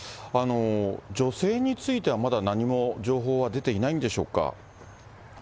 女性については、まだ何も情報は出ていないんでしょうか。